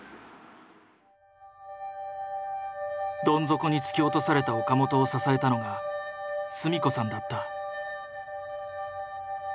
どん底に突き落とされた岡本を支えたのが純子さんだった。